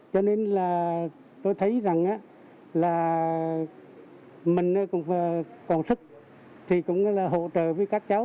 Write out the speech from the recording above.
cho nên là tôi thấy rằng là mình cũng còn sức thì cũng là hỗ trợ với các cháu